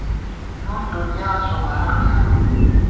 نُن دُنیا سوبارہ قیامت